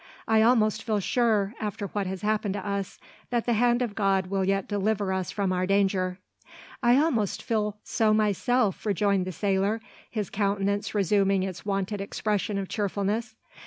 I almost feel sure, after what has happened to us, that the hand of God will yet deliver us from our danger." "I almost feel so myself," rejoined the sailor, his countenance resuming its wonted expression of cheerfulness.